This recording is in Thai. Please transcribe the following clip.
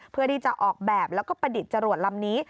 เพื่อที่จะออกแบบแล้วก็ประดิษฐ์จรวดลำนี้